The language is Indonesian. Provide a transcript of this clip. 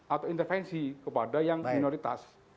atau intervensi kepada yang minoritas